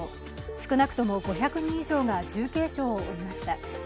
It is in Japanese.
少なくとも５００人以上が重軽傷を負いました。